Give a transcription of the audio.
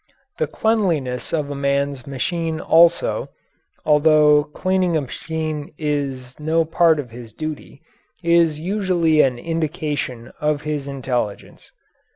The cleanliness of a man's machine also although cleaning a machine is no part of his duty is usually an indication of his intelligence.